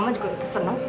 mama juga ikut senang